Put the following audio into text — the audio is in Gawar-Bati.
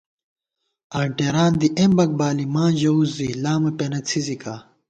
آنٹېران دی اېمبَک بالی ماں ژَوُس زی لامہ پېنہ څھِزِکا